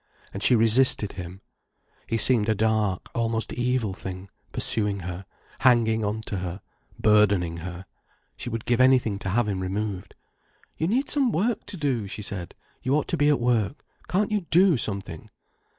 And she resisted him. He seemed a dark, almost evil thing, pursuing her, hanging on to her, burdening her. She would give anything to have him removed. "You need some work to do," she said. "You ought to be at work. Can't you do something?"